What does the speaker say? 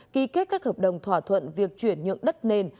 ký kết các hợp đồng thỏa thuận việc chuyển nhượng đất nền